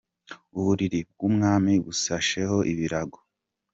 Uburiri bw’umwami busasheho ibirago.